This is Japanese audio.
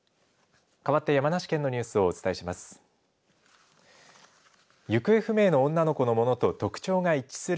かわって山梨県のニュースをお伝えします。